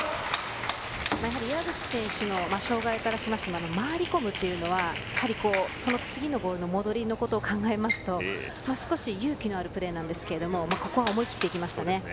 やはり岩渕選手の障がいからしましても回り込むというのはその次のボールの戻りのことを考えますと少し、勇気のあるプレーなんですけどここは思い切っていきました。